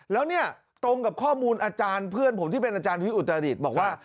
แล้วเนี่ยตรงกับข้อมูลอาจารย์เพื่อนผมที่เป็นอาจารย์วิอุตรดิษฐ์บอกว่า